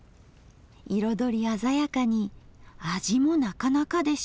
彩り鮮やかに味もなかなかでした。